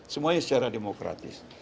semuanya secara demokratis